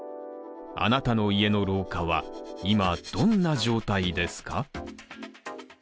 あなたの家の廊下は今、どんな状態ですか？